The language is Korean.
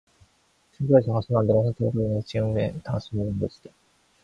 지금까지 당신이 만들어 온 선택으로 인해 지금의 당신이 있는 것이다.